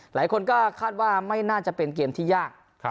หลายคนก็คาดว่าไม่น่าจะเป็นเกมที่ยาก